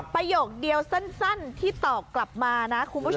ประโยคเดียวสั้นที่ตอบกลับมานะคุณผู้ชม